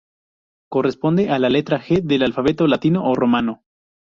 Corresponde a la letra G del alfabeto latino o romano.